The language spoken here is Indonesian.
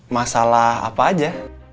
masalah apa aja